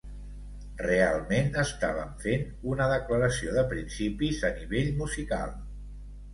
Realment estàvem fent una declaració de principis a nivell musical.